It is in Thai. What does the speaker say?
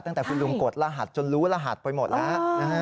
ตั้งแต่คุณลุงกดรหัสจนรู้รหัสไปหมดแล้วนะฮะ